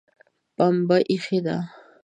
پمبه ایښې ده